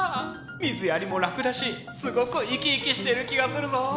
水やりも楽だしすごく生き生きしてる気がするぞ！